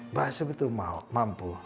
mbah hashim itu mampu